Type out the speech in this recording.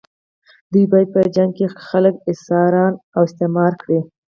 دوی باید په جګړه کې خلک اسیران او استثمار کړي.